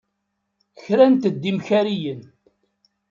Krant-d imkariyen.